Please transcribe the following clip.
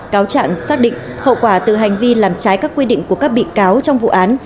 cáo trạng xác định hậu quả từ hành vi làm trái các quy định của các bị cáo trong vụ án